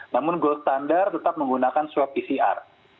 namun gold standar tetap menggunakan swab pcr